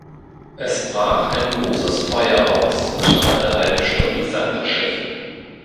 Es brach ein großes Feuer aus und nach einer halben Stunde sank das Schiff.